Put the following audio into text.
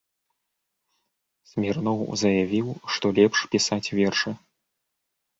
Смірноў заявіў, што лепш пісаць вершы.